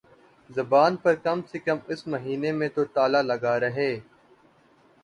زبان پر کم سے کم اس مہینے میں تو تالا لگا رہے